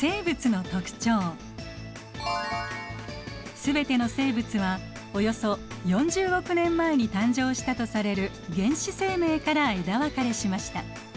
全ての生物はおよそ４０億年前に誕生したとされる原始生命から枝分かれしました。